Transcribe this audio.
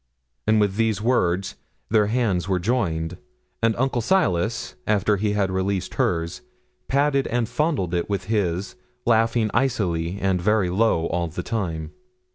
And with these words their hands were joined; and Uncle Silas, after he had released hers, patted and fondled it with his, laughing icily and very low all the time.